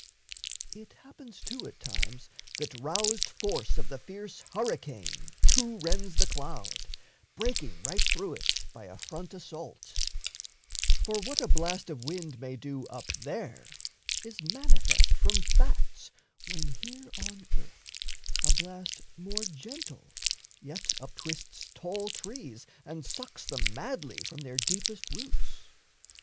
It happens too at times that roused force Of the fierce hurricane to rends the cloud, Breaking right through it by a front assault; For what a blast of wind may do up there Is manifest from facts when here on earth A blast more gentle yet uptwists tall trees And sucks them madly from their deepest roots.